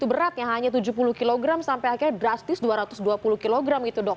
sebelumnya tidak begitu berat ya hanya tujuh puluh kg sampai akhirnya drastis dua ratus dua puluh kg gitu dok